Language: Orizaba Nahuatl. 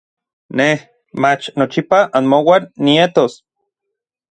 Nej, mach nochipa anmouan nietos.